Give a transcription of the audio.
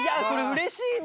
うれしい！